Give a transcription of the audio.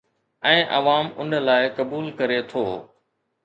۽ عوام ان لاءِ قبول ڪري ٿو